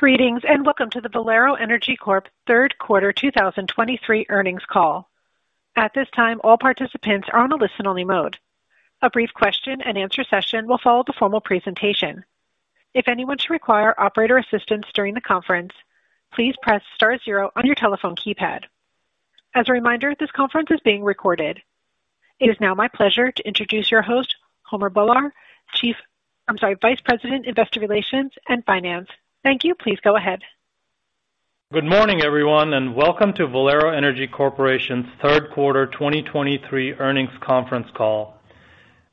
Greetings, and welcome to the Valero Energy Corp Third Quarter 2023 Earnings Call. At this time, all participants are on a listen-only mode. A brief question-and-answer session will follow the formal presentation. If anyone should require operator assistance during the conference, please press star zero on your telephone keypad. As a reminder, this conference is being recorded. It is now my pleasure to introduce your host, Bhullar, Chief. I'm sorry, Vice President, Investor Relations and Finance. Homer. hank you. Please go ahead. Good morning, everyone, and welcome to Valero Energy Corporation's third quarter 2023 earnings conference call.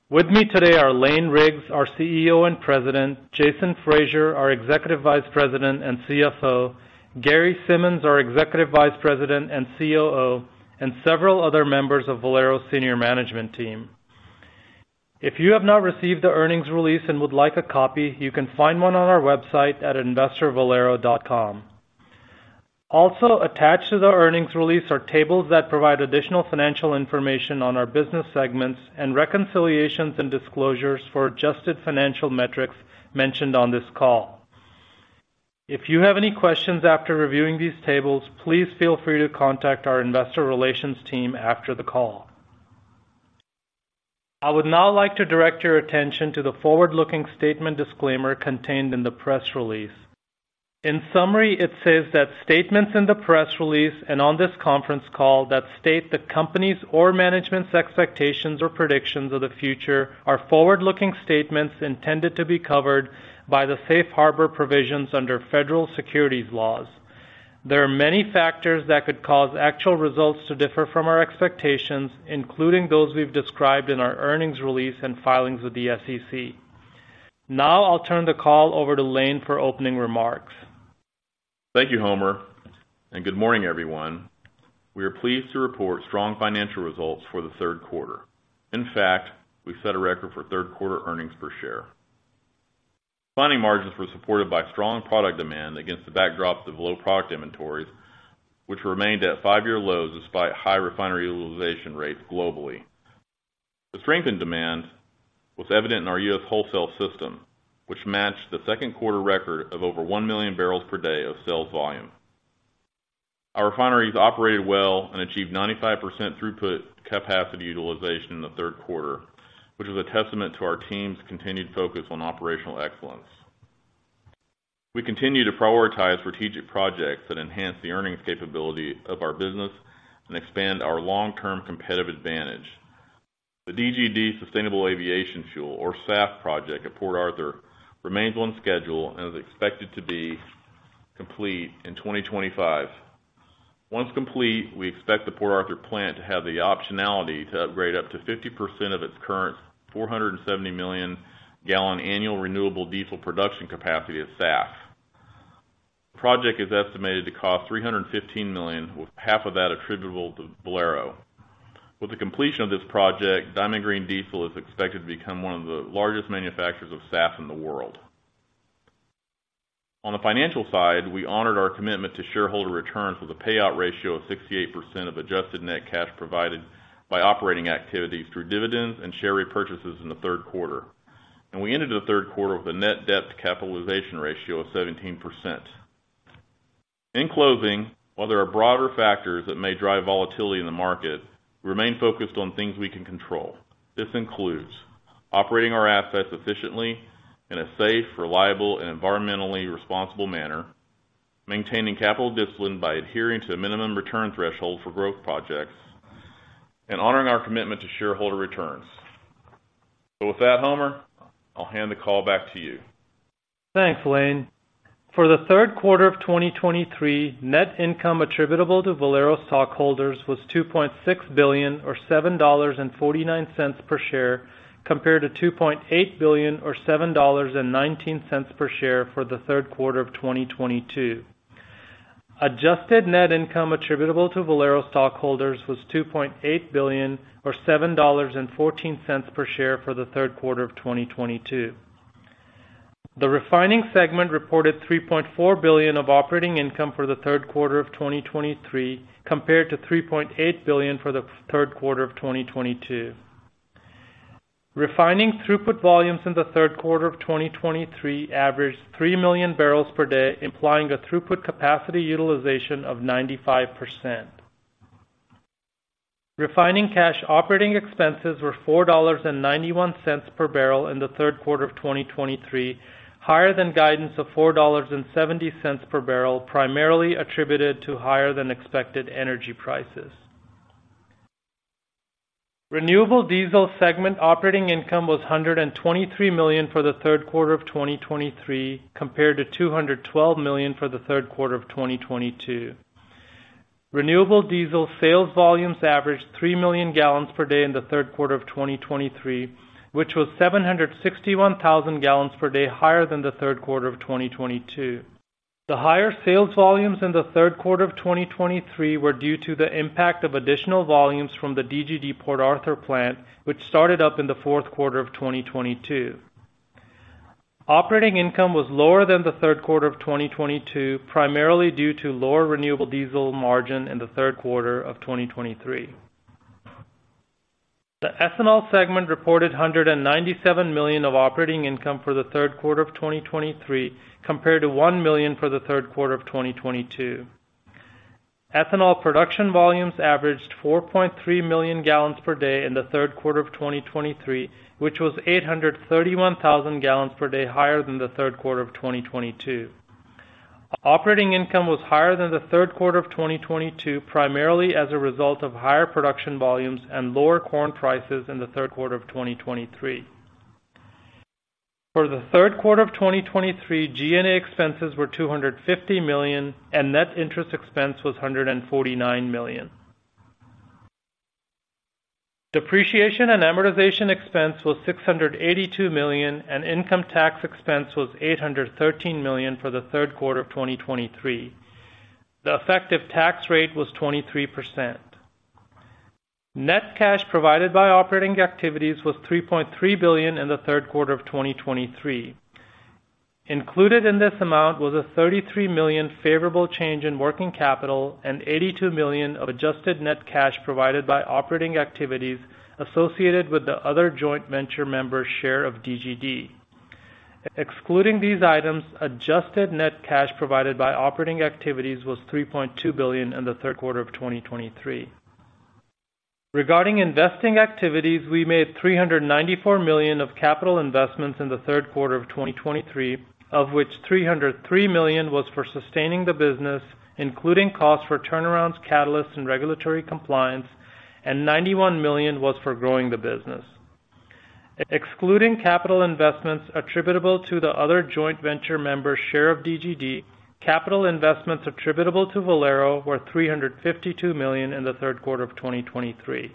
With me today are Lane Riggs, our CEO and President, Jason Fraser, our Executive Vice President and CFO, Gary Simmons, our Executive Vice President and COO, and several other members of Valero's senior management team. If you have not received the earnings release and would like a copy, you can find one on our website at investor.valero.com. Also, attached to the earnings release are tables that provide additional financial information on our business segments and reconciliations and disclosures for adjusted financial metrics mentioned on this call. If you have any questions after reviewing these tables, please feel free to contact our investor relations team after the call. I would now like to direct your attention to the forward-looking statement disclaimer contained in the press release. In summary, it says that statements in the press release and on this conference call that state the company's or management's expectations or predictions of the future are forward-looking statements intended to be covered by the safe harbor provisions under federal securities laws. There are many factors that could cause actual results to differ from our expectations, including those we've described in our earnings release and filings with the SEC. Now, I'll turn the call over to Lane for opening remarks. Thank you, Homer, and good morning, everyone. We are pleased to report strong financial results for the third quarter. In fact, we set a record for third-quarter earnings per share. Refining margins were supported by strong product demand against the backdrop of low product inventories, which remained at five-year lows despite high refinery utilization rates globally. The strength in demand was evident in our U.S. wholesale system, which matched the second quarter record of over 1 million barrels per day of sales volume. Our refineries operated well and achieved 95% throughput capacity utilization in the third quarter, which is a testament to our team's continued focus on operational excellence. We continue to prioritize strategic projects that enhance the earnings capability of our business and expand our long-term competitive advantage. The DGD Sustainable Aviation Fuel, or SAF project at Port Arthur, remains on schedule and is expected to be complete in 2025. Once complete, we expect the Port Arthur plant to have the optionality to upgrade up to 50% of its current 470 million gallon annual renewable diesel production capacity of SAF. The project is estimated to cost $315 million, with half of that attributable to Valero. With the completion of this project, Diamond Green Diesel is expected to become one of the largest manufacturers of SAF in the world. On the financial side, we honored our commitment to shareholder returns with a payout ratio of 68% of adjusted net cash provided by operating activities through dividends and share repurchases in the third quarter. We ended the third quarter with a net debt capitalization ratio of 17%. In closing, while there are broader factors that may drive volatility in the market, we remain focused on things we can control. This includes operating our assets efficiently in a safe, reliable, and environmentally responsible manner, maintaining capital discipline by adhering to a minimum return threshold for growth projects, and honoring our commitment to shareholder returns. So with that, Homer, I'll hand the call back to you. Thanks, Lane. For the third quarter of 2023, net income attributable to Valero stockholders was $2.6 billion, or $7.49 per share, compared to $2.8 billion, or $7.19 per share for the third quarter of 2022. Adjusted net income attributable to Valero stockholders was $2.8 billion, or $7.14 per share, for the third quarter of 2022. The refining segment reported $3.4 billion of operating income for the third quarter of 2023, compared to $3.8 billion for the third quarter of 2022. Refining throughput volumes in the third quarter of 2023 averaged 3 million barrels per day, implying a throughput capacity utilization of 95%. Refining cash operating expenses were $4.91 per barrel in the third quarter of 2023, higher than guidance of $4.70 per barrel, primarily attributed to higher than expected energy prices. Renewable diesel segment operating income was $123 million for the third quarter of 2023, compared to $212 million for the third quarter of 2022. Renewable diesel sales volumes averaged 3 million gallons per day in the third quarter of 2023, which was 761,000 gallons per day higher than the third quarter of 2022. The higher sales volumes in the third quarter of 2023 were due to the impact of additional volumes from the DGD Port Arthur plant, which started up in the fourth quarter of 2022. Operating income was lower than the third quarter of 2022, primarily due to lower renewable diesel margin in the third quarter of 2023. The ethanol segment reporte d $197 million of operating income for the third quarter of 2023, compared to $1 million for the third quarter of 2022. Ethanol production volumes averaged 4.3 million gallons per day in the third quarter of 2023, which was 831,000 gallons per day higher than the third quarter of 2022. Operating income was higher than the third quarter of 2022, primarily as a result of higher production volumes and lower corn prices in the third quarter of 2023. For the third quarter of 2023, G&A expenses were $250 million, and net interest expense was $149 million. Depreciation and amortization expense was $682 million, and income tax expense was $813 million for the third quarter of 2023. The effective tax rate was 23%. Net cash provided by operating activities was $3.3 billion in the third quarter of 2023. Included in this amount was a $33 million favorable change in working capital and $82 million of adjusted net cash provided by operating activities associated with the other joint venture member's share of DGD. Excluding these items, adjusted net cash provided by operating activities was $3.2 billion in the third quarter of 2023. Regarding investing activities, we made $394 million of capital investments in the third quarter of 2023, of which $303 million was for sustaining the business, including costs for turnarounds, catalysts, and regulatory compliance, and $91 million was for growing the business. Excluding capital investments attributable to the other joint venture member's share of DGD, capital investments attributable to Valero were $352 million in the third quarter of 2023.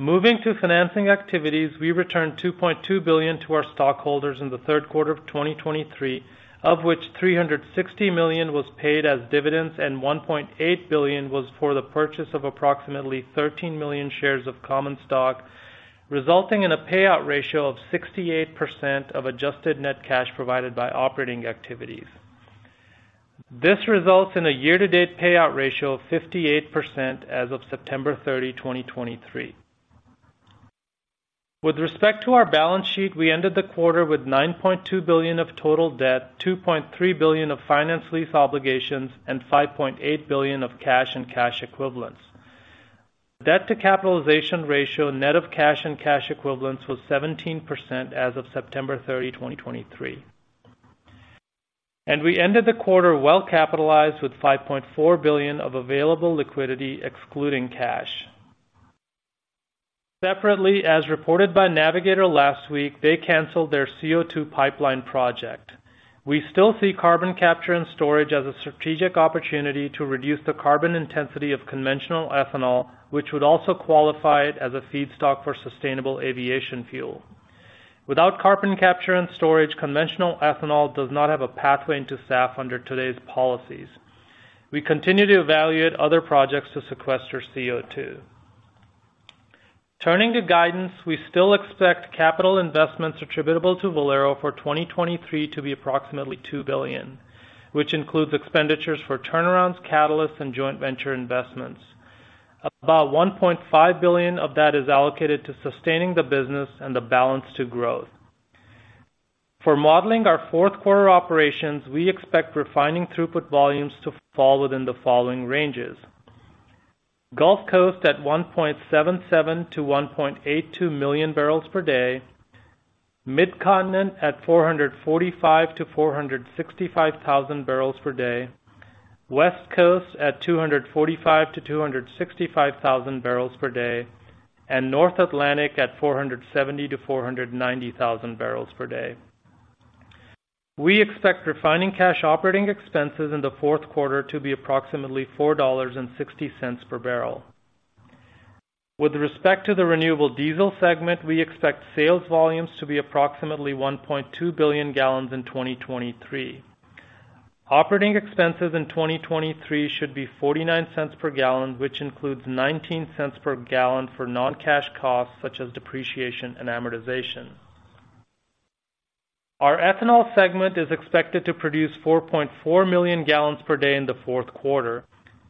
Moving to financing activities, we returned $2.2 billion to our stockholders in the third quarter of 2023, of which $360 million was paid as dividends and $1.8 billion was for the purchase of approximately 13 million shares of common stock, resulting in a payout ratio of 68% of adjusted net cash provided by operating activities. This results in a year-to-date payout ratio of 58% as of September 30, 2023. With respect to our balance sheet, we ended the quarter with $9.2 billion of total debt, $2.3 billion of finance lease obligations, and $5.8 billion of cash and cash equivalents. Debt to capitalization ratio, net of cash and cash equivalents, was 17% as of September 30, 2023. We ended the quarter well-capitalized with $5.4 billion of available liquidity, excluding cash. Separately, as reported by Navigator last week, they canceled their CO2 pipeline project. We still see carbon capture and storage as a strategic opportunity to reduce the carbon intensity of conventional ethanol, which would also qualify it as a feedstock for sustainable aviation fuel. Without carbon capture and storage, conventional ethanol does not have a pathway into SAF under today's policies. We continue to evaluate other projects to sequester CO2. Turning to guidance, we still expect capital investments attributable to Valero for 2023 to be approximately $2 billion, which includes expenditures for turnarounds, catalysts, and joint venture investments. About $1.5 billion of that is allocated to sustaining the business and the balance to growth. For modeling our fourth quarter operations, we expect refining throughput volumes to fall within the following ranges: Gulf Coast at 1.77-1.82 million barrels per day, Midcontinent at 445,000-465,000 barrels per day, West Coast at 245,000-265,000 barrels per day, and North Atlantic at 470,000-490,000 barrels per day. We expect refining cash operating expenses in the fourth quarter to be approximately $4.60 per barrel. With respect to the renewable diesel segment, we expect sales volumes to be approximately 1.2 billion gallons in 2023. Operating expenses in 2023 should be $0.49 per gallon, which includes $0.19 per gallon for non-cash costs such as depreciation and amortization. Our ethanol segment is expected to produce 4.4 million gallons per day in the fourth quarter.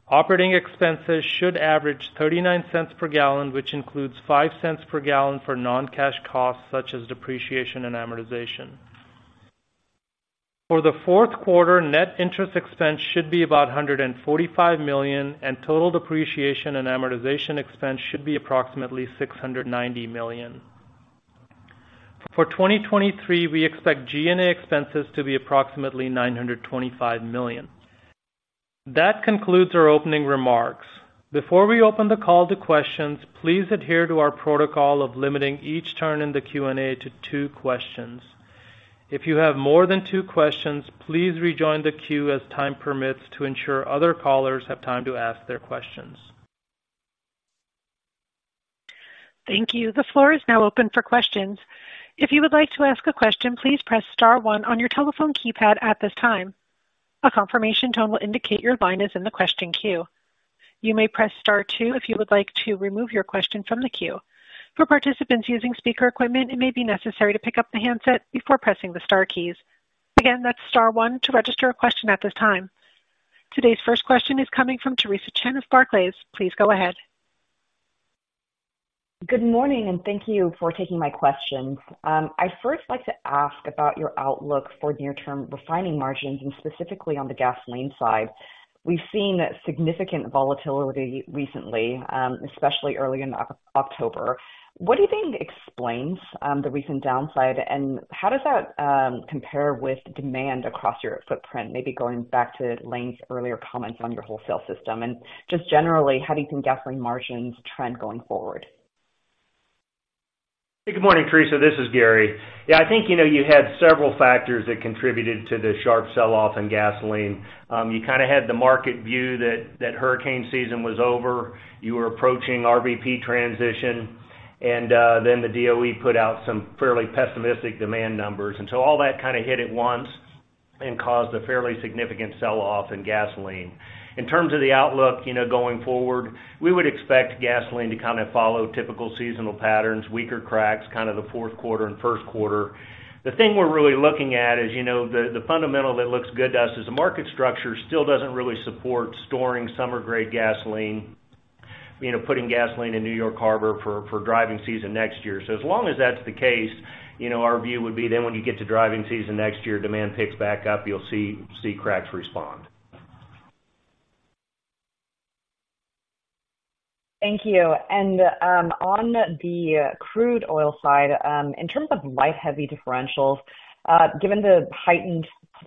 Operating expenses should average $0.39 per gallon, which includes $0.05 per gallon for non-cash costs such as depreciation and amortization. For the fourth quarter, net interest expense should be about $145 million, and total depreciation and amortization expense should be approximately $690 million. For 2023, we expect G&A expenses to be approximately $925 million. That concludes our opening remarks. Before we open the call to questions, please adhere to our protocol of limiting each turn in the Q&A to two questions. If you have more than two questions, please rejoin the queue as time permits to ensure other callers have time to ask their questions. Thank you. The floor is now open for questions. If you would like to ask a question, please press star one on your telephone keypad at this time. A confirmation tone will indicate your line is in the question queue. You may press star two if you would like to remove your question from the queue. For participants using speaker equipment, it may be necessary to pick up the handset before pressing the star keys. Again, that's star one to register a question at this time. Today's first question is coming from Theresa Chen of Barclays. Please go ahead. Good morning, and thank you for taking my questions. I'd first like to ask about your outlook for near-term refining margins, and specifically on the gasoline side. We've seen significant volatility recently, especially early in October. What do you think explains the recent downside, and how does that compare with demand across your footprint? Maybe going back to Lane's earlier comments on your wholesale system, and just generally, how do you think gasoline margins trend going forward? Hey, good morning, Theresa. This is Gary. Yeah, I think, you know, you had several factors that contributed to the sharp sell-off in gasoline. You kind of had the market view that, that hurricane season was over. You were approaching RVP transition, and then the DOE put out some fairly pessimistic demand numbers. And so all that kind of hit at once and caused a fairly significant sell-off in gasoline. In terms of the outlook, you know, going forward, we would expect gasoline to kind of follow typical seasonal patterns, weaker cracks, kind of the fourth quarter and first quarter. The thing we're really looking at is, you know, the, the fundamental that looks good to us is the market structure still doesn't really support storing summer-grade gasoline, you know, putting gasoline in New York Harbor for, for driving season next year. As long as that's the case, you know, our view would be then when you get to driving season next year, demand picks back up, you'll see cracks respond. Thank you. On the crude oil side, in terms of light-heavy differentials, given the heightened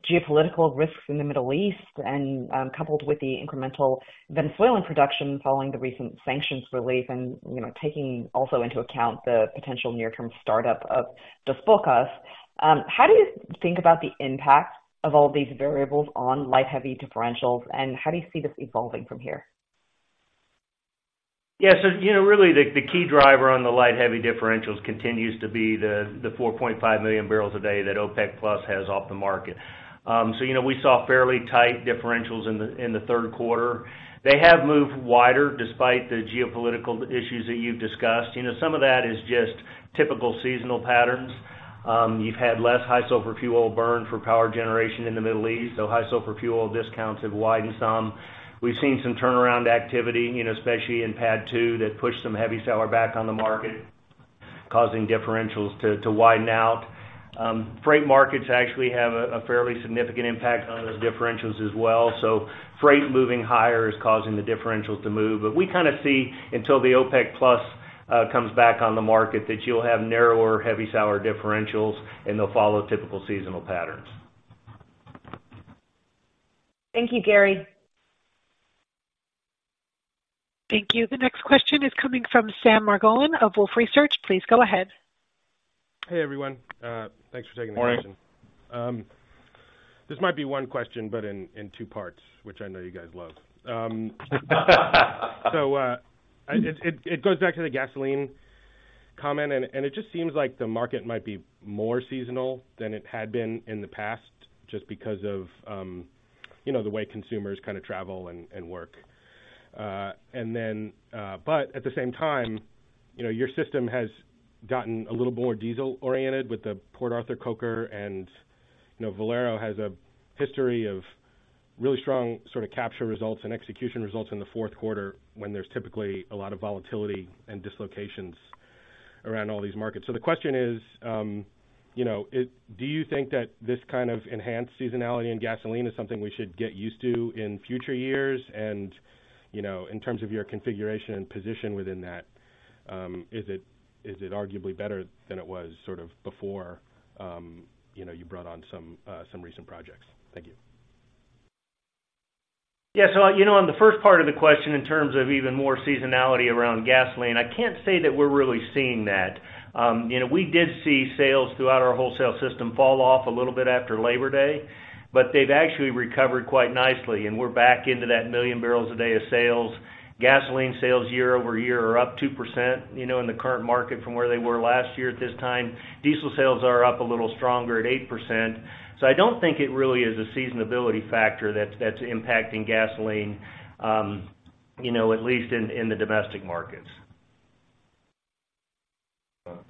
geopolitical risks in the Middle East and, coupled with the incremental Venezuelan production following the recent sanctions relief, and, you know, taking also into account the potential near-term startup of Dos Bocas, how do you think about the impact of all these variables on light-heavy differentials, and how do you see this evolving from here? Yeah, so, you know, really, the key driver on the light-heavy differentials continues to be the 4.5 million barrels a day that OPEC+ has off the market. So, you know, we saw fairly tight differentials in the third quarter. They have moved wider despite the geopolitical issues that you've discussed. You know, some of that is just typical seasonal patterns. You've had less high sulfur fuel burned for power generation in the Middle East, so high sulfur fuel discounts have widened some. We've seen some turnaround activity, you know, especially in PADD 2, that pushed some heavy sour back on the market, causing differentials to widen out. Freight markets actually have a fairly significant impact on those differentials as well. So freight moving higher is causing the differentials to move. But we kind of see until the OPEC+ comes back on the market, that you'll have narrower heavy sour differentials, and they'll follow typical seasonal patterns. Thank you, Gary. Thank you. The next question is coming from Sam Margolin of Wolfe Research. Please go ahead. Hey, everyone, thanks for taking the question. Morning. This might be one question, but in two parts, which I know you guys love. It goes back to the gasoline comment, and it just seems like the market might be more seasonal than it had been in the past, just because of, you know, the way consumers kind of travel and work. But at the same time, you know, your system has gotten a little more diesel oriented with the Port Arthur Coker and, you know, Valero has a history of really strong sort of capture results and execution results in the fourth quarter, when there's typically a lot of volatility and dislocations around all these markets. So the question is, you know, do you think that this kind of enhanced seasonality in gasoline is something we should get used to in future years? And, you know, in terms of your configuration and position within that, is it arguably better than it was sort of before, you know, you brought on some recent projects? Thank you. Yeah, so, you know, on the first part of the question, in terms of even more seasonality around gasoline, I can't say that we're really seeing that. You know, we did see sales throughout our wholesale system fall off a little bit after Labor Day, but they've actually recovered quite nicely, and we're back into that 1 million barrels a day of sales. Gasoline sales year-over-year are up 2%, you know, in the current market from where they were last year at this time. Diesel sales are up a little stronger at 8%. So I don't think it really is a seasonality factor that's impacting gasoline, you know, at least in the domestic markets.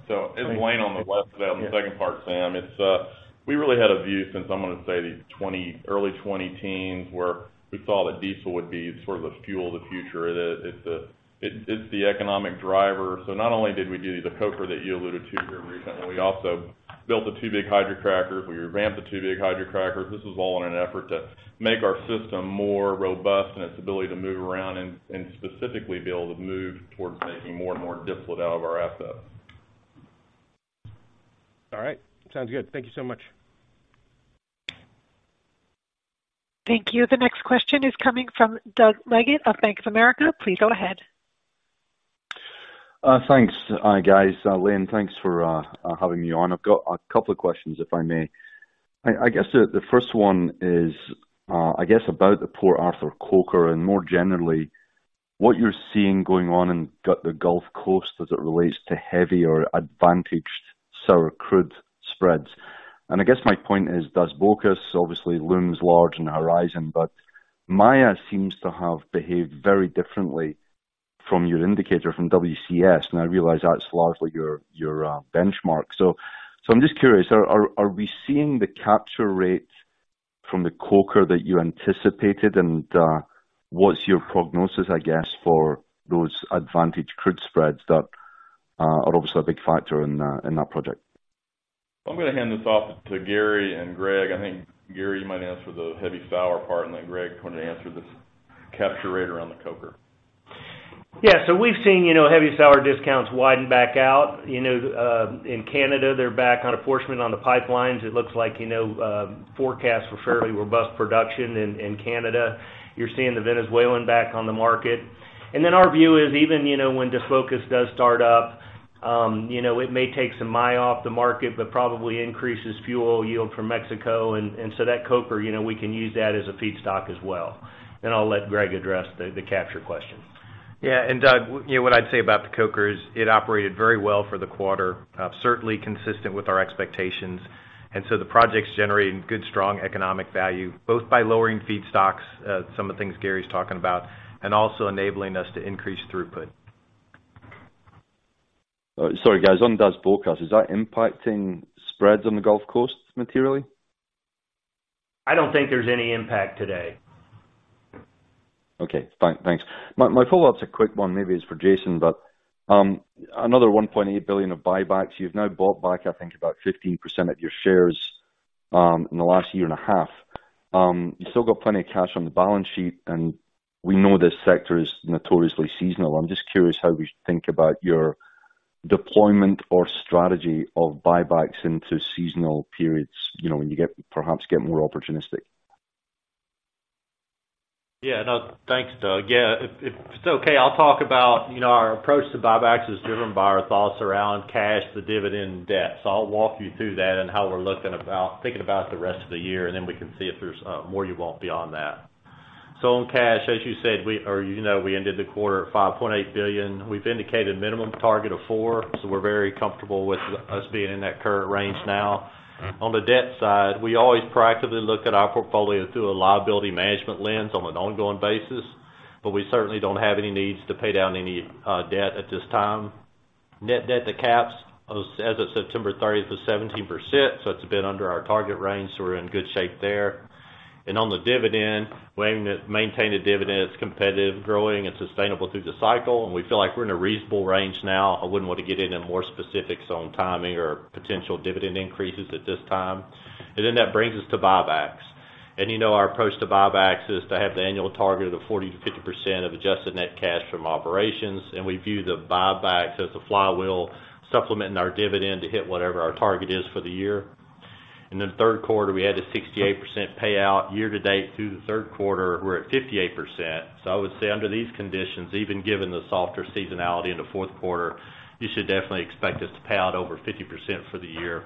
So it's Lane on the left. On the second part, Sam, it's, we really had a view since I'm gonna say the early 2010s, where we saw that diesel would be sort of the fuel of the future. It is, it's the, it, it's the economic driver. So not only did we do the coker that you alluded to here recently, we also built the two big hydrocrackers. We revamped the two big hydrocrackers. This was all in an effort to make our system more robust in its ability to move around and specifically be able to move towards making more and more distillate out of our assets. All right. Sounds good. Thank you so much. Thank you. The next question is coming from Doug Leggate of Bank of America. Please go ahead. Thanks, guys. Lane, thanks for having me on. I've got a couple of questions, if I may. I guess the first one is, I guess, about the Port Arthur Coker and more generally, what you're seeing going on in the Gulf Coast as it relates to heavy or advantaged sour crude spreads. And I guess my point is, Dos Bocas obviously looms large on the horizon, but Maya seems to have behaved very differently from your indicator, from WCS, and I realize that's largely your benchmark. So I'm just curious, are we seeing the capture rate from the coker that you anticipated? And what's your prognosis, I guess, for those advantage crude spreads that are obviously a big factor in that project? I'm gonna hand this off to Gary and Greg. I think, Gary, you might answer the heavy sour part, and then Greg, want to answer this capture rate around the coker. Yeah. So we've seen, you know, heavy sour discounts widen back out. You know, in Canada, they're back on enforcement on the pipelines. It looks like, you know, forecasts were fairly robust production in Canada. You're seeing the Venezuelan back on the market. And then our view is even, you know, when Dos Bocas does start up, you know, it may take some Maya off the market, but probably increases fuel yield from Mexico. And so that coker, you know, we can use that as a feedstock as well. And I'll let Greg address the capture question. Yeah, and Doug, you know, what I'd say about the coker is, it operated very well for the quarter, certainly consistent with our expectations. And so the project's generating good, strong economic value, both by lowering feedstocks, some of the things Gary's talking about, and also enabling us to increase throughput. Sorry, guys. On Dos Bocas, is that impacting spreads on the Gulf Coast materially? I don't think there's any impact today. Okay, fine. Thanks. My follow-up's a quick one. Maybe it's for Jason, but another $1.8 billion of buybacks. You've now bought back, I think, about 15% of your shares in the last year and a half. You still got plenty of cash on the balance sheet, and we know this sector is notoriously seasonal. I'm just curious how we think about your deployment or strategy of buybacks into seasonal periods, you know, when you get-- perhaps get more opportunistic. Yeah, no, thanks, Doug. Yeah, if it's okay, I'll talk about you know, our approach to buybacks is driven by our thoughts around cash, the dividend debt. So I'll walk you through that and how we're thinking about the rest of the year, and then we can see if there's more you want beyond that. So on cash, as you said, you know, we ended the quarter at $5.8 billion. We've indicated minimum target of $4 billion, so we're very comfortable with us being in that current range now. On the debt side, we always proactively look at our portfolio through a liability management lens on an ongoing basis, but we certainly don't have any needs to pay down any debt at this time. Net debt to caps as of September 30 is 17%, so it's a bit under our target range, so we're in good shape there. On the dividend, we're aiming to maintain the dividend as competitive, growing, and sustainable through the cycle, and we feel like we're in a reasonable range now. I wouldn't want to get into more specifics on timing or potential dividend increases at this time. Then that brings us to buybacks. You know, our approach to buybacks is to have the annual target of 40%-50% of adjusted net cash from operations, and we view the buybacks as a flywheel, supplementing our dividend to hit whatever our target is for the year. Then the third quarter, we had a 68% payout. Year to date through the third quarter, we're at 58%. So I would say under these conditions, even given the softer seasonality in the fourth quarter, you should definitely expect us to pay out over 50% for the year.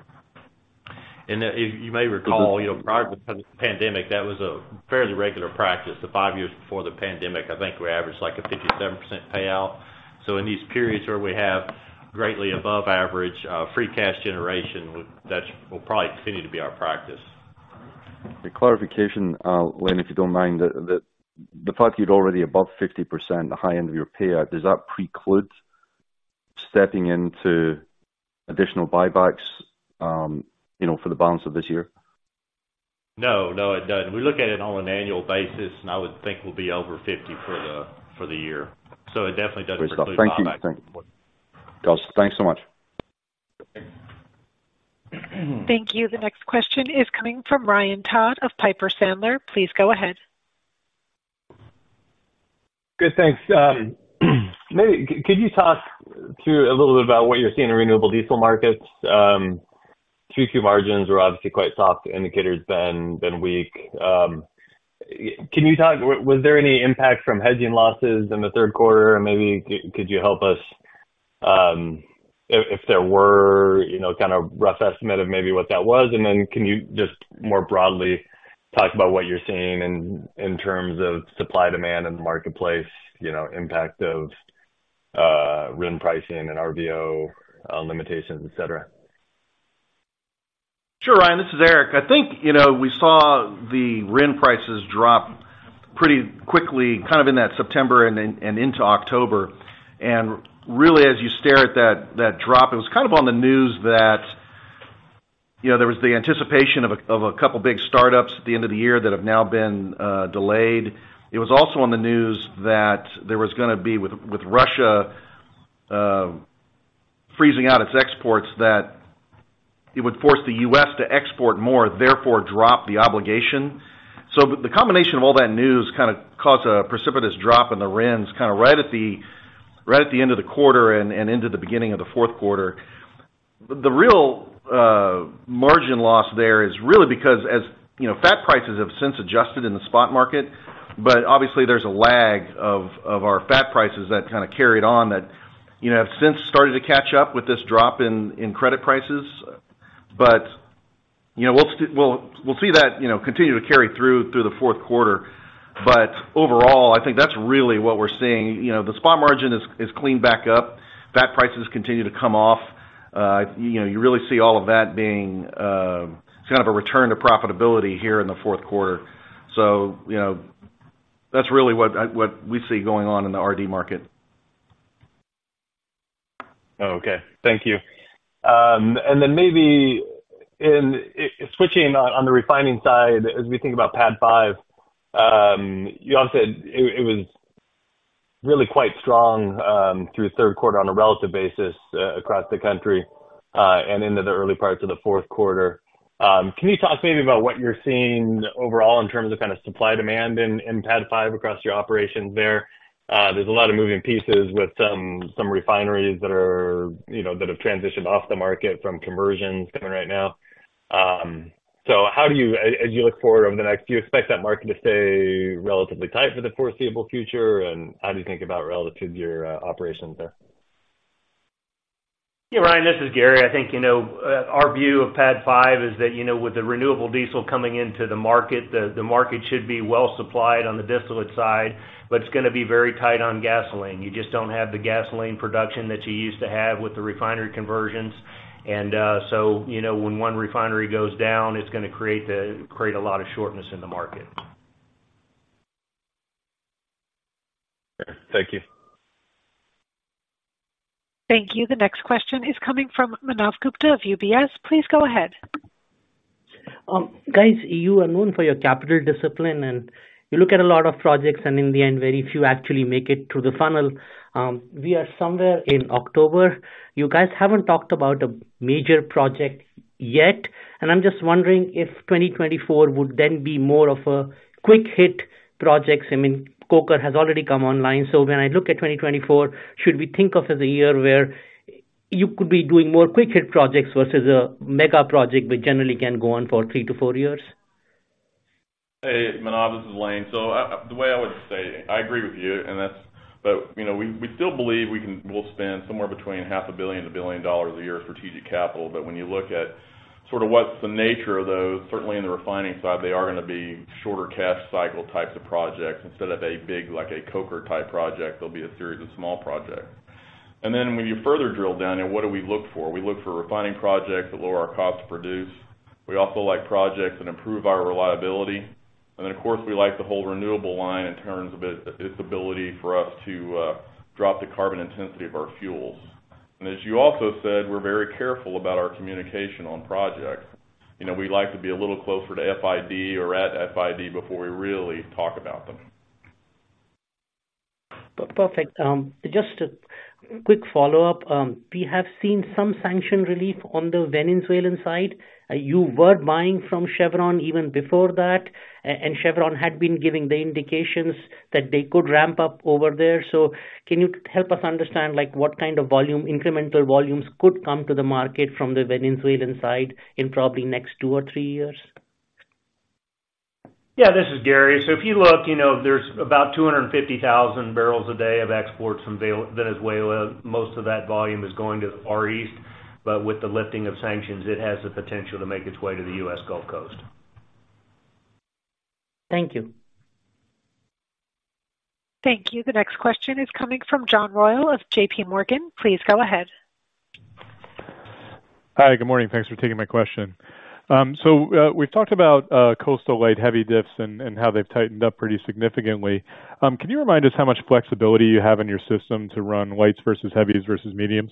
And then you, you may recall, you know, prior to the pandemic, that was a fairly regular practice. The five years before the pandemic, I think we averaged, like, a 57% payout. So in these periods where we have greatly above average, free cash generation, that will probably continue to be our practice. A clarification, Lynn, if you don't mind, that the fact you're already above 50%, the high end of your payout, does that preclude stepping into additional buybacks, you know, for the balance of this year? No, no, it doesn't. We look at it on an annual basis, and I would think we'll be over 50 for the year. So it definitely doesn't include buybacks. Thank you. Thanks, guys. Thanks so much. Thank you. The next question is coming from Ryan Todd of Piper Sandler. Please go ahead. Good, thanks. Maybe could you talk through a little bit about what you're seeing in renewable diesel markets? Q2 margins were obviously quite soft. Indicators been weak. Can you talk was there any impact from hedging losses in the third quarter? And maybe could you help us, if there were, you know, kind of rough estimate of maybe what that was, and then can you just more broadly talk about what you're seeing in terms of supply, demand in the marketplace, you know, impact of RIN pricing and RVO limitations, et cetera? Sure, Ryan, this is Eric. I think, you know, we saw the RIN prices drop pretty quickly, kind of in that September and then, and into October. And really, as you stare at that, that drop, it was kind of on the news that, you know, there was the anticipation of a, of a couple big startups at the end of the year that have now been delayed. It was also on the news that there was gonna be, with, with Russia freezing out its exports, that it would force the U.S. to export more, therefore, drop the obligation. So the combination of all that news kind of caused a precipitous drop in the RINs, kind of right at the, right at the end of the quarter and, and into the beginning of the fourth quarter. The real margin loss there is really because as, you know, fat prices have since adjusted in the spot market, but obviously there's a lag of our fat prices that kind of carried on that, you know, have since started to catch up with this drop in credit prices. But, you know, we'll we'll see that, you know, continue to carry through the fourth quarter. But overall, I think that's really what we're seeing. You know, the spot margin is cleaned back up. Fat prices continue to come off. You know, you really see all of that being. It's kind of a return to profitability here in the fourth quarter. So, you know, that's really what we see going on in the RD market. Okay. Thank you. And then maybe switching on the refining side, as we think about PADD 5, you all said it was really quite strong through third quarter on a relative basis, across the country, and into the early parts of the fourth quarter. Can you talk maybe about what you're seeing overall in terms of kind of supply, demand in PADD 5 across your operations there? There's a lot of moving pieces with some refineries that are, you know, that have transitioned off the market from conversions coming right now. So how do you, as you look forward over the next, do you expect that market to stay relatively tight for the foreseeable future? And how do you think about relative to your operations there? Yeah, Ryan, this is Gary. I think, you know, our view of PADD 5 is that, you know, with the renewable diesel coming into the market, the market should be well supplied on the distillate side, but it's gonna be very tight on gasoline. You just don't have the gasoline production that you used to have with the refinery conversions. And, so, you know, when one refinery goes down, it's gonna create a lot of shortness in the market. Thank you. Thank you. The next question is coming from Manav Gupta of UBS. Please go ahead. Guys, you are known for your capital discipline, and you look at a lot of projects, and in the end, very few actually make it through the funnel. We are somewhere in October. You guys haven't talked about a major project yet, and I'm just wondering if 2024 would then be more of a quick hit projects. I mean, Coker has already come online. So when I look at 2024, should we think of as a year where you could be doing more quick hit projects versus a mega project, which generally can go on for 3-4 years? Hey, Manav, this is Lane. So the way I would say, I agree with you, and that's—but, you know, we, we still believe we can—we'll spend somewhere between $500 million-$1 billion a year of strategic capital. But when you look at sort of what's the nature of those, certainly in the refining side, they are gonna be shorter cash cycle types of projects. Instead of a big, like a Coker-type project, there'll be a series of small projects. And then when you further drill down, and what do we look for? We look for refining projects that lower our cost to produce. We also like projects that improve our reliability. And then, of course, we like the whole renewable line in terms of its, its ability for us to drop the carbon intensity of our fuels. As you also said, we're very careful about our communication on projects. You know, we like to be a little closer to FID or at FID before we really talk about them. Perfect. Just a quick follow-up. We have seen some sanction relief on the Venezuelan side. You were buying from Chevron even before that, and Chevron had been giving the indications that they could ramp up over there. So can you help us understand, like, what kind of volume, incremental volumes could come to the market from the Venezuelan side in probably next two or three years? Yeah, this is Gary. So if you look, you know, there's about 250,000 barrels a day of exports from Venezuela. Most of that volume is going to our east, but with the lifting of sanctions, it has the potential to make its way to the U.S. Gulf Coast. Thank you. Thank you. The next question is coming from John Royal of JP Morgan. Please go ahead. Hi, good morning. Thanks for taking my question. So, we've talked about Gulf Coast light-heavy diffs and how they've tightened up pretty significantly. Can you remind us how much flexibility you have in your system to run lights versus heavies versus mediums?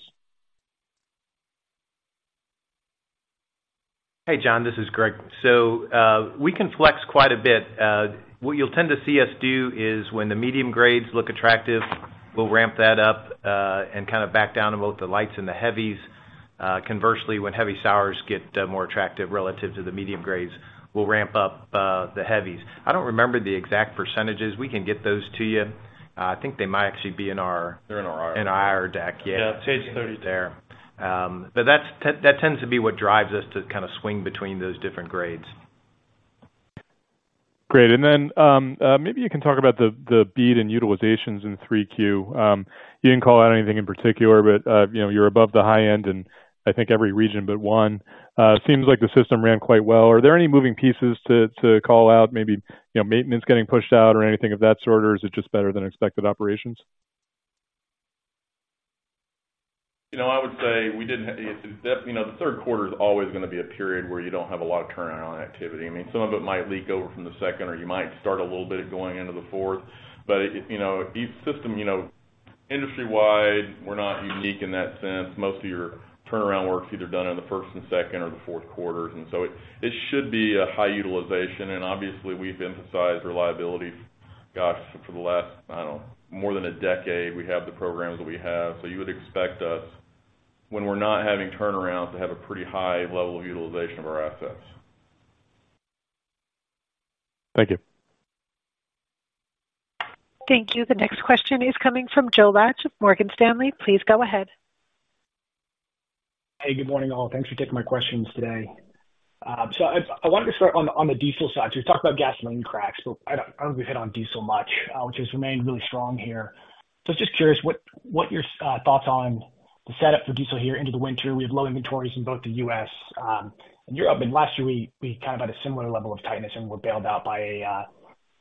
Hey, John, this is Greg. So, we can flex quite a bit. What you'll tend to see us do is when the medium grades look attractive, we'll ramp that up, and kind of back down on both the lights and the heavies. Conversely, when heavy sours get more attractive relative to the medium grades, we'll ramp up the heavies. I don't remember the exact percentages. We can get those to you. I think they might actually be in our- They're in our IR. In our IR deck, yeah. Yeah, page 30. There. That tends to be what drives us to kind of swing between those different grades. Great. Then, maybe you can talk about the feed and utilizations in 3Q. You didn't call out anything in particular, but, you know, you're above the high end in I think every region but one. Seems like the system ran quite well. Are there any moving pieces to call out, maybe, you know, maintenance getting pushed out or anything of that sort? Or is it just better than expected operations? You know, I would say the third quarter is always gonna be a period where you don't have a lot of turnaround activity. I mean, some of it might leak over from the second, or you might start a little bit going into the fourth. But you know, each system, you know, industry-wide, we're not unique in that sense. Most of your turnaround work is either done in the first and second or the fourth quarters, and so it should be a high utilization. And obviously, we've emphasized reliability, gosh, for the last, I don't know, more than a decade, we have the programs that we have. So you would expect us, when we're not having turnarounds, to have a pretty high level of utilization of our assets. Thank you. Thank you. The next question is coming from Joe Laetsch of Morgan Stanley. Please go ahead. Hey, good morning, all. Thanks for taking my questions today. So I wanted to start on the diesel side. You talked about gasoline cracks, but I don't think we hit on diesel much, which has remained really strong here. So just curious, what's your thoughts on the setup for diesel here into the winter? We have low inventories in both the U.S. and Europe, and last year we kind of had a similar level of tightness and were bailed out by a-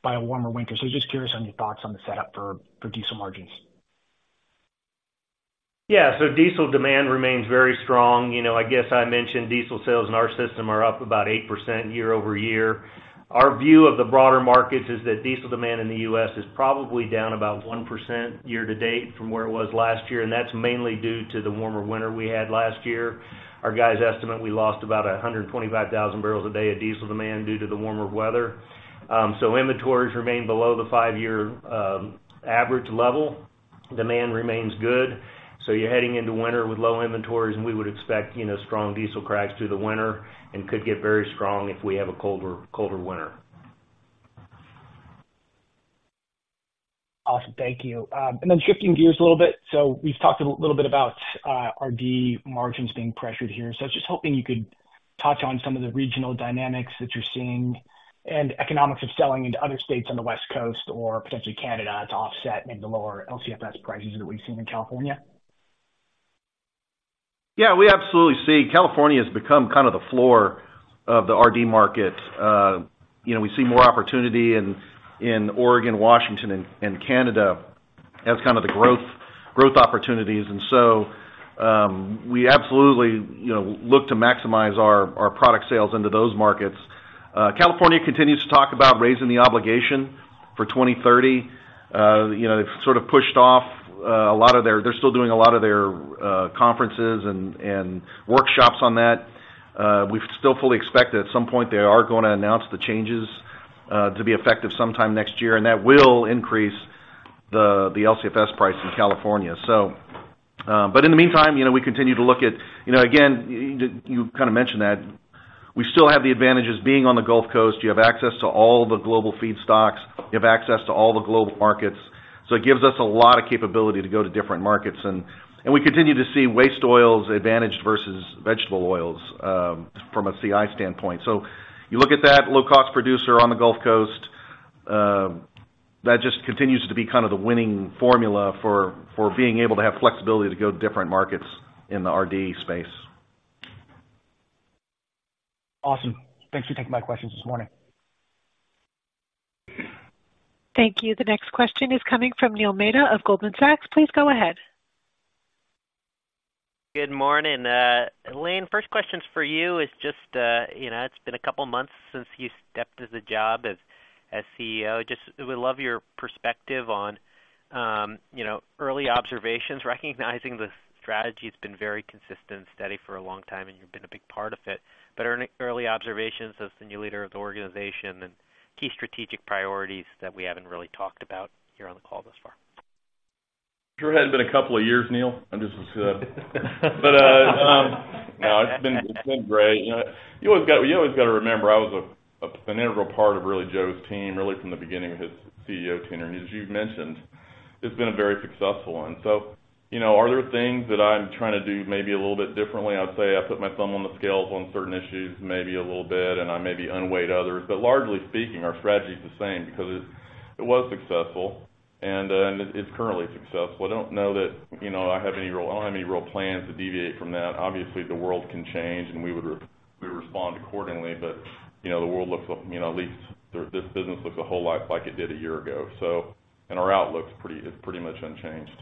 by a warmer winter. So just curious on your thoughts on the setup for diesel margins? Yeah, so diesel demand remains very strong. You know, I guess I mentioned diesel sales in our system are up about 8% year-over-year. Our view of the broader markets is that diesel demand in the U.S. is probably down about 1% year-to-date from where it was last year, and that's mainly due to the warmer winter we had last year. Our guys estimate we lost about 125,000 barrels a day of diesel demand due to the warmer weather. So inventories remain below the five-year average level. Demand remains good, so you're heading into winter with low inventories, and we would expect, you know, strong diesel cracks through the winter and could get very strong if we have a colder, colder winter. Awesome. Thank you. And then shifting gears a little bit. So we've talked a little bit about RD margins being pressured here. So I was just hoping you could touch on some of the regional dynamics that you're seeing and economics of selling into other states on the West Coast or potentially Canada to offset maybe the lower LCFS prices that we've seen in California. Yeah, we absolutely see. California has become kind of the floor of the RD market. You know, we see more opportunity in Oregon, Washington, and Canada as kind of the growth opportunities. And so, we absolutely, you know, look to maximize our product sales into those markets. California continues to talk about raising the obligation for 2030. You know, they've sort of pushed off a lot of their—they're still doing a lot of their conferences and workshops on that. We still fully expect that at some point they are gonna announce the changes to be effective sometime next year, and that will increase the LCFS price in California. So, but in the meantime, you know, we continue to look at, you know, again, you kind of mentioned that. We still have the advantages of being on the Gulf Coast. You have access to all the global feedstocks, you have access to all the global markets, so it gives us a lot of capability to go to different markets. And we continue to see waste oils advantaged versus vegetable oils from a CI standpoint. So you look at that low-cost producer on the Gulf Coast, that just continues to be kind of the winning formula for being able to have flexibility to go to different markets in the RD space. Awesome. Thanks for taking my questions this morning. Thank you. The next question is coming from Neil Mehta of Goldman Sachs. Please go ahead. Good morning. Lane, first question's for you. It's just, you know, it's been a couple of months since you stepped into the job as CEO. Just would love your perspective on, you know, early observations, recognizing the strategy has been very consistent and steady for a long time, and you've been a big part of it. But early observations as the new leader of the organization and key strategic priorities that we haven't really talked about here on the call thus far. Sure, it hasn't been a couple of years, Neil? I just was, but no, it's been, it's been great. You know, you always got to remember, I was an integral part of really Joe's team, really from the beginning of his CEO tenure. And as you've mentioned, it's been a very successful one. So, you know, are there things that I'm trying to do maybe a little bit differently? I'd say I put my thumb on the scales on certain issues, maybe a little bit, and I maybe unweight others. But largely speaking, our strategy is the same because it, it was successful, and, and it's currently successful. I don't know that, you know, I have any real plans to deviate from that. Obviously, the world can change, and we would respond accordingly. But, you know, the world looks, you know, at least this business looks a whole lot like it did a year ago. So... and our outlook's pretty, is pretty much unchanged.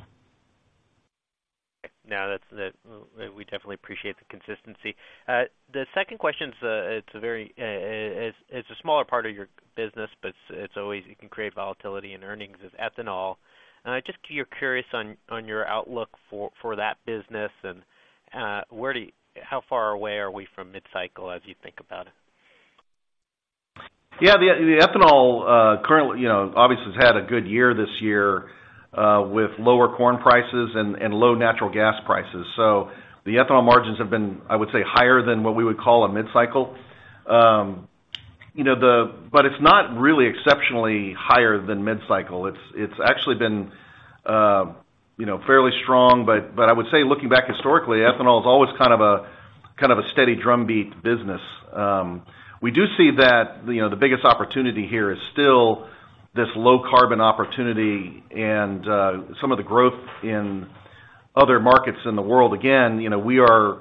No, that's the, we definitely appreciate the consistency. The second question's, it's a very, it's a smaller part of your business, but it's always you can create volatility in earnings is ethanol. Just, you're curious on your outlook for that business and, where do you, how far away are we from mid-cycle as you think about it? Yeah, the ethanol currently, you know, obviously has had a good year this year, with lower corn prices and low natural gas prices. So the ethanol margins have been, I would say, higher than what we would call a mid-cycle. You know, it's not really exceptionally higher than mid-cycle. It's actually been, you know, fairly strong. I would say looking back historically, ethanol is always kind of a steady drumbeat business. We do see that, you know, the biggest opportunity here is still this low-carbon opportunity and some of the growth in other markets in the world. Again, you know, we are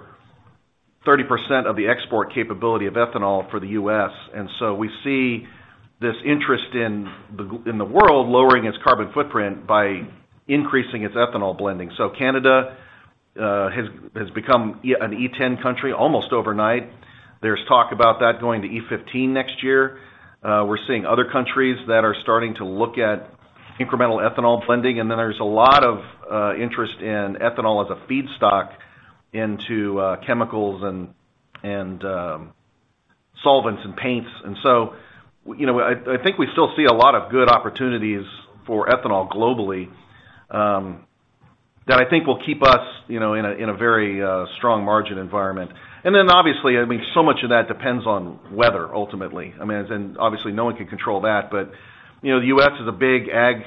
30% of the export capability of ethanol for the U.S., and so we see this interest in the world lowering its carbon footprint by increasing its ethanol blending. So Canada has become an E10 country almost overnight. There's talk about that going to E15 next year. We're seeing other countries that are starting to look at incremental ethanol blending, and then there's a lot of interest in ethanol as a feedstock into chemicals and solvents and paints. And so, you know, I think we still see a lot of good opportunities for ethanol globally, that I think will keep us, you know, in a very strong margin environment. And then obviously, I mean, so much of that depends on weather ultimately. I mean, and obviously no one can control that. But, you know, the U.S. is a big ag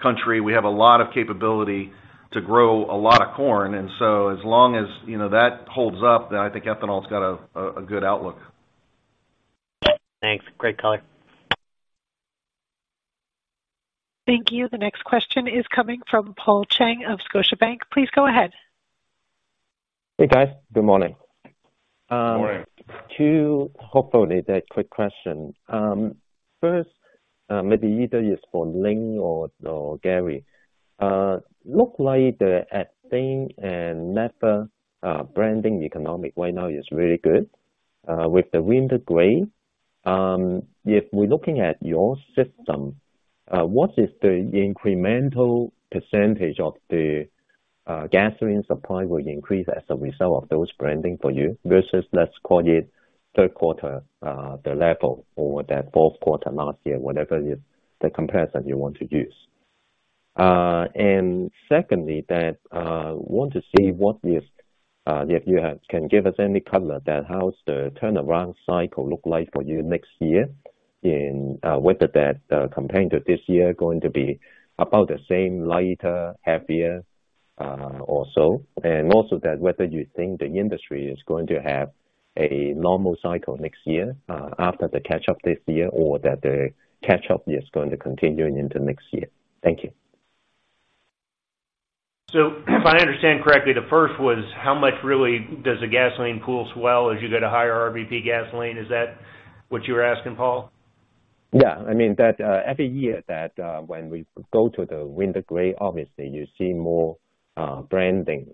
country. We have a lot of capability to grow a lot of corn, and so as long as, you know, that holds up, then I think ethanol's got a good outlook. Thanks. Great color. Thank you. The next question is coming from Paul Cheng of Scotiabank. Please go ahead. Hey, guys, good morning. Good morning. Two, hopefully, the quick question. First, maybe either is for Lane or Gary. Look like the at thing and naphtha, branding economic right now is really good, with the winter grade. If we're looking at your system, what is the incremental percentage of the gasoline supply will increase as a result of those blending for you versus, let's call it, third quarter, the level or the fourth quarter last year, whatever is the comparison you want to use? Secondly, that, want to see what is, if you have-- can give us any color that how's the turnaround cycle look like for you next year in, whether that, compared to this year going to be about the same, lighter, heavier, or so. Also, whether you think the industry is going to have a normal cycle next year, after the catch-up this year, or that the catch-up year is going to continue into next year? Thank you. If I understand correctly, the first was, how much really does the gasoline pool swell as you go to higher RVP gasoline? Is that what you were asking, Paul? Yeah. I mean, that every year that when we go to the winter grade, obviously you see more blending,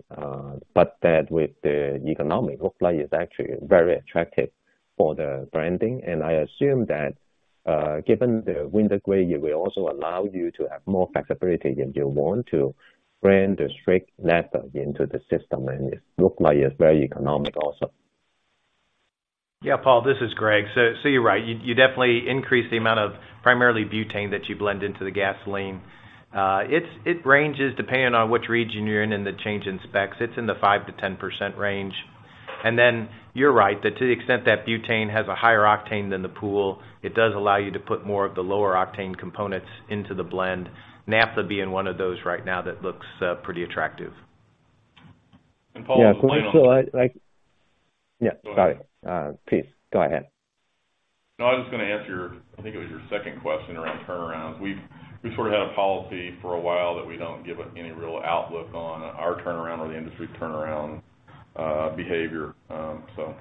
but that with the economics look like it's actually very attractive for the blending. And I assume that given the winter grade, it will also allow you to have more flexibility if you want to blend the straight naphtha into the system, and it looks like it's very economical also. Yeah, Paul, this is Greg. So, you're right. You definitely increase the amount of primarily butane that you blend into the gasoline. It ranges depending on which region you're in and the change in specs. It's in the 5%-10% range. And then you're right, that to the extent that butane has a higher octane than the pool, it does allow you to put more of the lower octane components into the blend, naphtha being one of those right now that looks pretty attractive. And Paul- Yeah, so... Yeah, got it. Please, go ahead. No, I was just gonna answer your, I think it was your second question around turnarounds. We've, we've sort of had a policy for a while that we don't give any real outlook on our turnaround or the industry turnaround, behavior. So.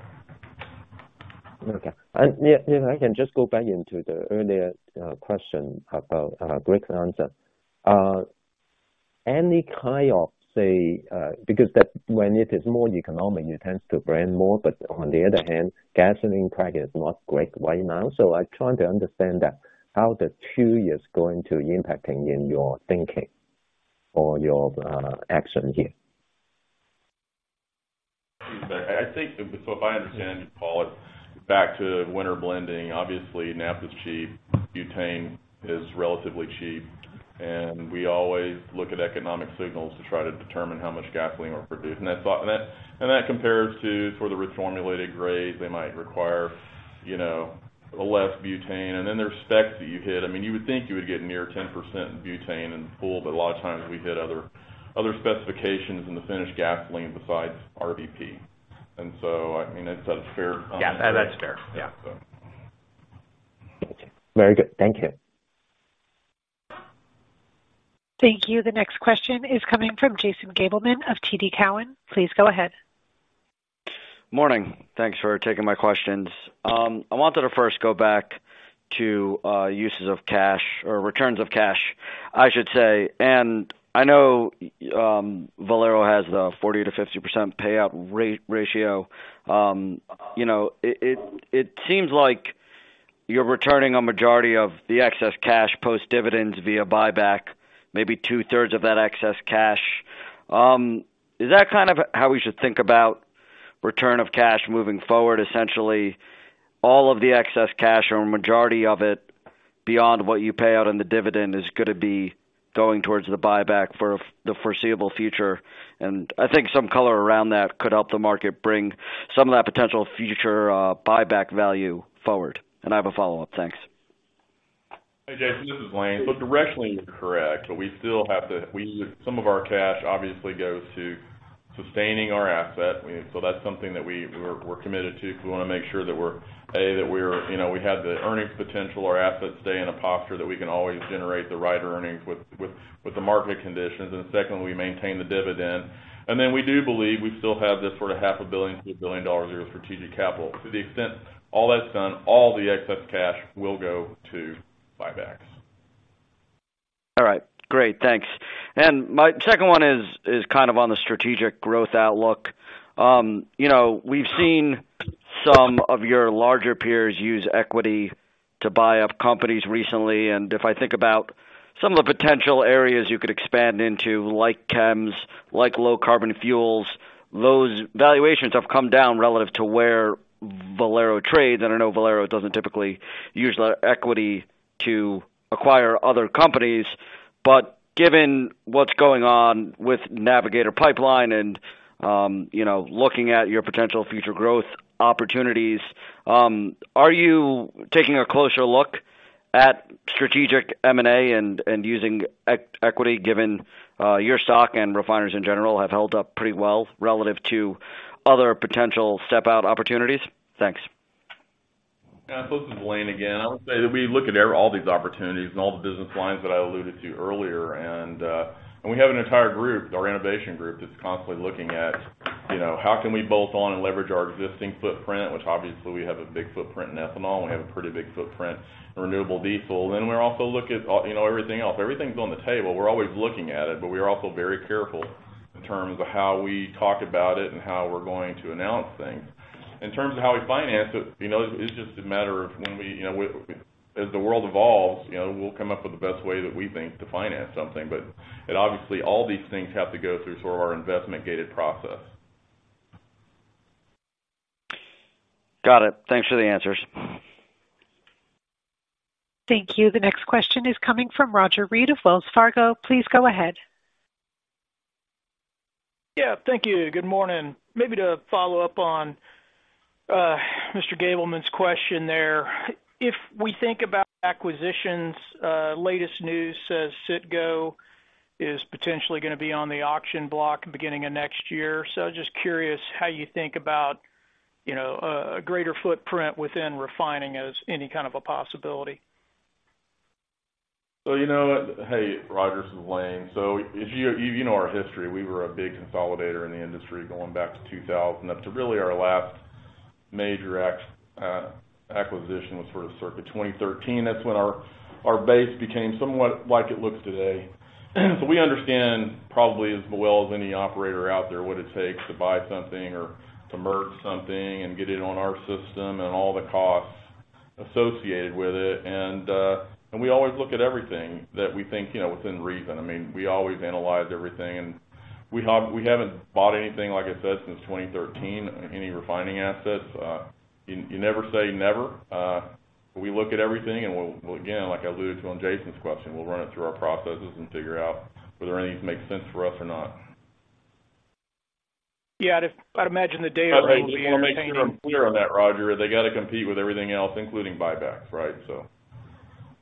Okay. And yeah, if I can just go back into the earlier question about Greg's answer. Any kind of say, because that when it is more economic, you tend to blend more, but on the other hand, gasoline price is not great right now. So I'm trying to understand that, how the two is going to impacting in your thinking or your action here? I think, so if I understand you, Paul, back to winter blending, obviously naphtha's cheap, butane is relatively cheap, and we always look at economic signals to try to determine how much gasoline we're producing. And that compares to sort of the reformulated grade. They might require, you know, a less butane, and then there's specs that you hit. I mean, you would think you would get near 10% in butane and pool, but a lot of times we hit other specifications in the finished gasoline besides RVP. And so, I mean, is that fair? Yeah, that's fair. Yeah. So. Very good. Thank you. Thank you. The next question is coming from Jason Gabelman of TD Cowen. Please go ahead. Morning. Thanks for taking my questions. I wanted to first go back to uses of cash or returns of cash, I should say. And I know Valero has a 40%-50% payout ratio. You know, it seems like you're returning a majority of the excess cash, post dividends via buyback, maybe two-thirds of that excess cash. Is that kind of how we should think about return of cash moving forward? Essentially, all of the excess cash or majority of it beyond what you pay out in the dividend is gonna be going towards the buyback for the foreseeable future. And I think some color around that could help the market bring some of that potential future buyback value forward. And I have a follow-up. Thanks. Hey, Jason, this is Lane. Look, directionally, you're correct, but we still have to. Some of our cash obviously goes to sustaining our asset. So that's something that we're committed to, because we want to make sure that we're, A, that we're, you know, we have the earnings potential, our assets stay in a posture that we can always generate the right earnings with the market conditions. And secondly, we maintain the dividend. And then we do believe we still have this sort of $500 million-$1 billion of strategic capital. To the extent all that's done, all the excess cash will go to buybacks. All right, great, thanks. And my second one is kind of on the strategic growth outlook. You know, we've seen some of your larger peers use equity to buy up companies recently, and if I think about some of the potential areas you could expand into, like chems, like low carbon fuels, those valuations have come down relative to where Valero trades. And I know Valero doesn't typically use their equity to acquire other companies, but given what's going on with Navigator Pipeline and, you know, looking at your potential future growth opportunities, are you taking a closer look at strategic M&A and using equity, given your stock and refiners in general have held up pretty well relative to other potential step-out opportunities? Thanks. ... Yeah, this is Lane again. I would say that we look at every, all these opportunities and all the business lines that I alluded to earlier. And we have an entire group, our innovation group, that's constantly looking at, you know, how can we bolt on and leverage our existing footprint, which obviously we have a big footprint in ethanol, and we have a pretty big footprint in renewable diesel. Then we also look at, you know, everything else. Everything's on the table. We're always looking at it, but we are also very careful in terms of how we talk about it and how we're going to announce things. In terms of how we finance it, you know, it's just a matter of when we, you know, as the world evolves, you know, we'll come up with the best way that we think to finance something. Obviously, all these things have to go through sort of our investment gated process. Got it. Thanks for the answers. Thank you. The next question is coming from Roger Read of Wells Fargo. Please go ahead. Yeah, thank you. Good morning. Maybe to follow up on Mr. Gabelman's question there. If we think about acquisitions, latest news says Citgo is potentially gonna be on the auction block beginning of next year. So just curious how you think about, you know, a greater footprint within refining as any kind of a possibility. So, you know, hey, Roger, this is Lane. So if you know our history, we were a big consolidator in the industry going back to 2000 up to really our last major acquisition was sort of circa 2013. That's when our base became somewhat like it looks today. So we understand probably as well as any operator out there what it takes to buy something or to merge something and get it on our system and all the costs associated with it. And we always look at everything that we think, you know, within reason. I mean, we always analyze everything, and we haven't bought anything, like I said, since 2013, any refining assets. You never say never. We look at everything, and we'll again, like I alluded to on Jason's question, we'll run it through our processes and figure out whether any of these make sense for us or not. Yeah, I'd imagine the data will be- I just wanna make sure I'm clear on that, Roger. They got to compete with everything else, including buybacks, right? So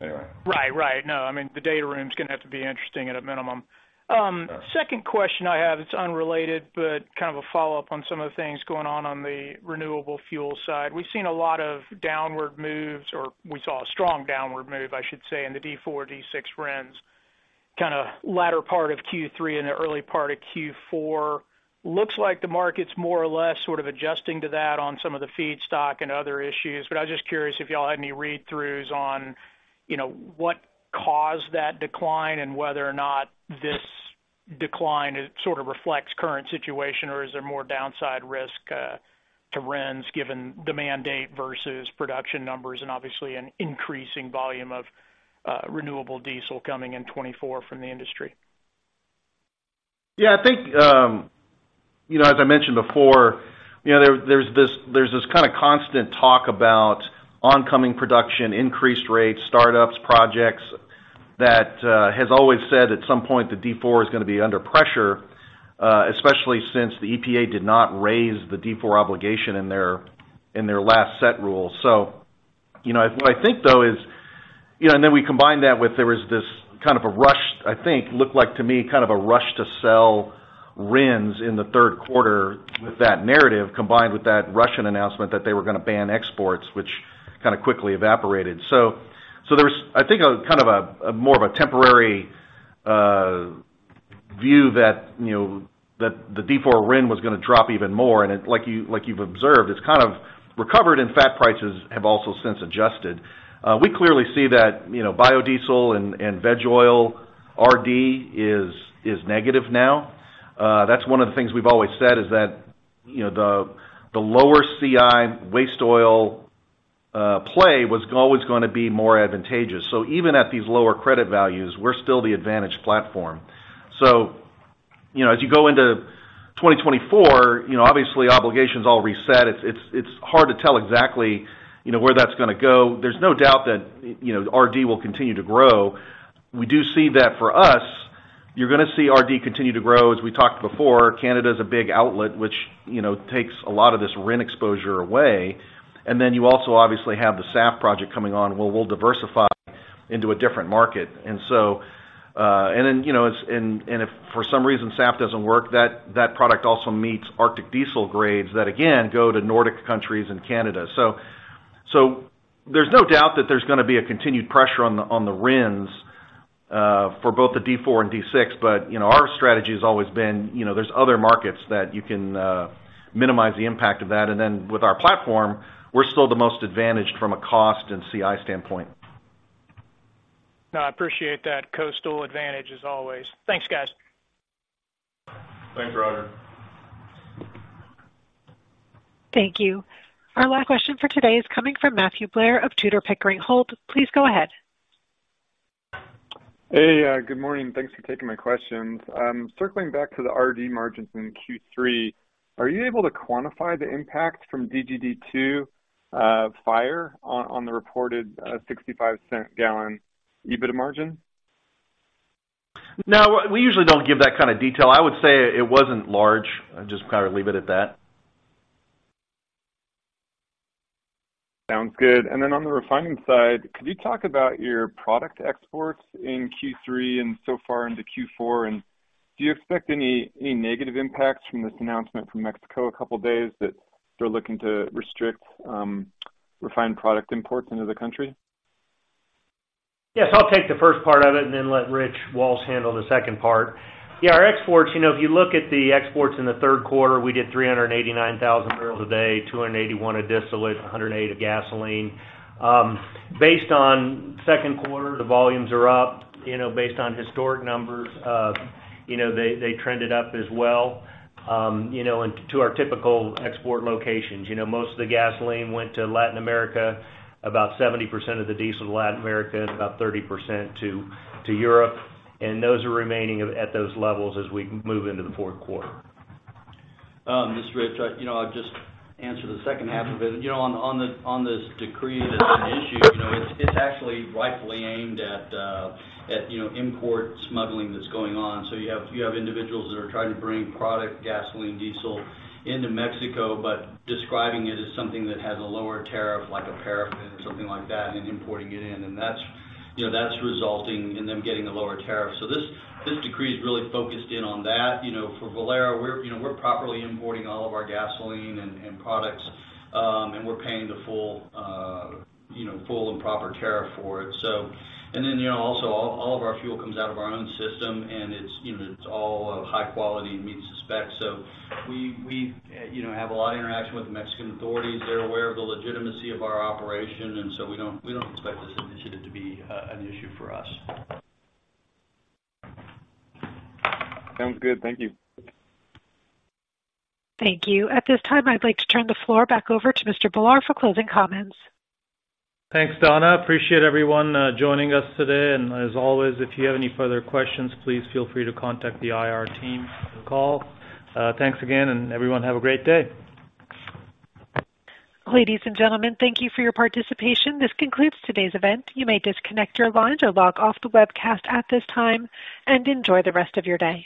anyway. Right. Right. No, I mean, the data room's gonna have to be interesting at a minimum. Second question I have, it's unrelated, but kind of a follow-up on some of the things going on on the renewable fuel side. We've seen a lot of downward moves, or we saw a strong downward move, I should say, in the D4, D6 RINs, kind of latter part of Q3 and the early part of Q4. Looks like the market's more or less sort of adjusting to that on some of the feedstock and other issues. But I was just curious if y'all had any read-throughs on, you know, what caused that decline and whether or not this decline, it sort of reflects current situation, or is there more downside risk to RINs, given demand date versus production numbers and obviously an increasing volume of renewable diesel coming in 2024 from the industry? Yeah, I think, you know, as I mentioned before, you know, there, there's this, there's this kind of constant talk about oncoming production, increased rates, startups, projects, that, has always said at some point, the D4 is gonna be under pressure, especially since the EPA did not raise the D4 obligation in their, in their last set rule. So, you know, what I think, though, is, you know, and then we combine that with there was this kind of a rush, I think, looked like to me, kind of a rush to sell RINs in the third quarter with that narrative, combined with that Russian announcement that they were gonna ban exports, which kind of quickly evaporated. So, so there was, I think, a kind of a, a more of a temporary, view that, you know, that the D4 RIN was gonna drop even more. And it, like you, like you've observed, it's kind of recovered. In fact, prices have also since adjusted. We clearly see that, you know, biodiesel and veg oil, RD is negative now. That's one of the things we've always said, is that, you know, the lower CI waste oil play was always gonna be more advantageous. So even at these lower credit values, we're still the advantage platform. So, you know, as you go into 2024, you know, obviously obligations all reset. It's hard to tell exactly, you know, where that's gonna go. There's no doubt that, you know, RD will continue to grow. We do see that for us, you're gonna see RD continue to grow. As we talked before, Canada is a big outlet, which, you know, takes a lot of this RIN exposure away. And then you also obviously have the SAF project coming on, where we'll diversify into a different market. And so, and then, you know, it's... and, and if for some reason SAF doesn't work, that, that product also meets Arctic diesel grades that again, go to Nordic countries and Canada. So, there's no doubt that there's gonna be a continued pressure on the, on the RINs, for both the D4 and D6. But, you know, our strategy has always been, you know, there's other markets that you can, minimize the impact of that. And then with our platform, we're still the most advantaged from a cost and CI standpoint. No, I appreciate that. Coastal advantage as always. Thanks, guys. Thanks, Roger. Thank you. Our last question for today is coming from Matthew Blair of Tudor, Pickering, Holt & Co. Please go ahead. Hey, good morning, and thanks for taking my questions. Circling back to the RD margins in Q3, are you able to quantify the impact from DGD2 fire on the reported $0.65/gallon EBITDA margin? No, we usually don't give that kind of detail. I would say it wasn't large. I'd just kind of leave it at that. Sounds good. And then on the refining side, could you talk about your product exports in Q3 and so far into Q4? Do you expect any negative impacts from this announcement from Mexico a couple of days that they're looking to restrict refined product imports into the country? Yes, I'll take the first part of it and then let Rich Walsh handle the second part. Yeah, our exports, you know, if you look at the exports in the third quarter, we did 389,000 barrels a day, 281 of distillate, 108 of gasoline. Based on second quarter, the volumes are up, you know, based on historic numbers, you know, they, they trended up as well. You know, and to our typical export locations, you know, most of the gasoline went to Latin America, about 70% of the diesel to Latin America, and about 30% to Europe, and those are remaining at those levels as we move into the fourth quarter. This is Rich. I, you know, I'll just answer the second half of it. You know, on, on this, on this decree that's been issued, you know, it's, it's actually rightfully aimed at, at, you know, import smuggling that's going on. So you have, you have individuals that are trying to bring product, gasoline, diesel into Mexico, but describing it as something that has a lower tariff, like a paraffin or something like that, and importing it in. And that's, you know, that's resulting in them getting a lower tariff. So this, this decree is really focused in on that. You know, for Valero, we're, you know, we're properly importing all of our gasoline and, and products, and we're paying the full, you know, full and proper tariff for it. And then, you know, also all of our fuel comes out of our own system, and it's, you know, it's all of high quality and meets the specs. So we, you know, have a lot of interaction with the Mexican authorities. They're aware of the legitimacy of our operation, and so we don't expect this initiative to be an issue for us. Sounds good. Thank you. Thank you. At this time, I'd like to turn the floor back over to Mr. Bhullar for closing comments. Thanks, Donna. Appreciate everyone, joining us today. And as always, if you have any further questions, please feel free to contact the IR team on the call. Thanks again, and everyone have a great day. Ladies and gentlemen, thank you for your participation. This concludes today's event. You may disconnect your lines or log off the webcast at this time, and enjoy the rest of your day.